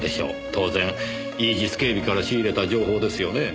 当然イージス警備から仕入れた情報ですよね？